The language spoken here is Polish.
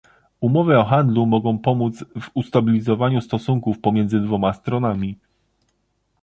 Umowy o handlu mogą pomóc w ustabilizowaniu stosunków pomiędzy dwoma stronami